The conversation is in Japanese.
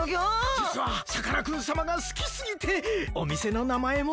じつはさかなクンさまがすきすぎておみせのなまえも。